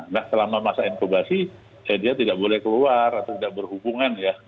nah selama masa inkubasi dia tidak boleh keluar atau tidak berhubungan ya